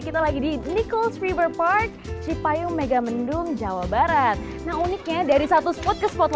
kita lagi di nicoles river park cipayung megamendung jawa barat nah uniknya dari satu spot ke spot